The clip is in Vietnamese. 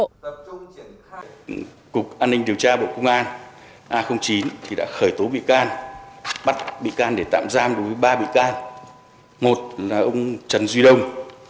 cơ quan an ninh điều tra bộ công an đã khởi tố bắt tạm giam đối với ông trần duy đông